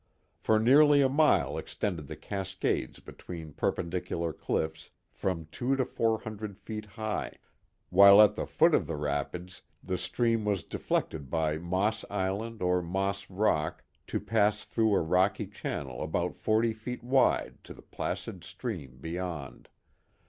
For nearly a mile extended the cascades between perpendicular cliffs from two to four hundred feet high, while at the foot of the rapids the stream was deflected by Moss Island or Moss Rock to pass through a rocky channel about forty feet wide to the placid stream beyond.